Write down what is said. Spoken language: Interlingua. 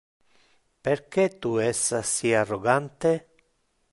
Perque tu es assi arrogante?